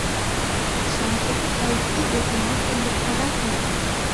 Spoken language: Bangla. সংক্ষেপে কয়েকটি অভিমত উল্লেখ করা হল।